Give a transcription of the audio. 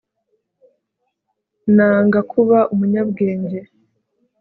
nanga kuba umunyabwenge